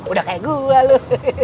udah kayak gua lu